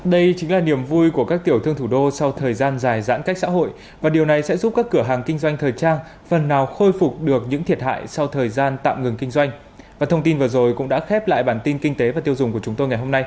đây chính là niềm vui của các tiểu thương thủ đô sau thời gian dài giãn cách xã hội và điều này sẽ giúp các cửa hàng kinh doanh thời trang phần nào khôi phục được những thiệt hại sau thời gian tạm ngừng kinh doanh